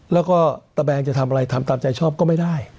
แล้วก็ตะแบงจะทำอะไรทำตามใจชอบก็ไม่ได้